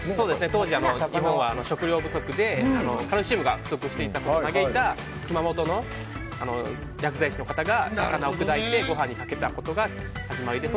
当時、日本は食糧不足でカルシウムが不足していたので熊本の薬剤師の方が魚を砕いてご飯にかけたことが始まりで